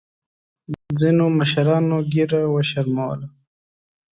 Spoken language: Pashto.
ځینو مشرانو ګیره وشرمولـه.